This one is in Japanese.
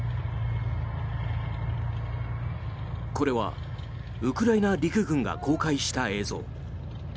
これはウクライナ陸軍が公開した映像。